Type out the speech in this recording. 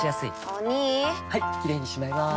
お兄はいキレイにしまいます！